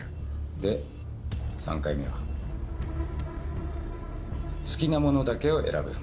で３回目は好きなものだけを選ぶ。